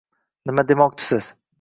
Nima demoqchisiz?